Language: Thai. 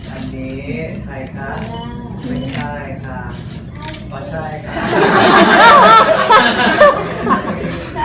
อันนี้ก็มองดูนะคะ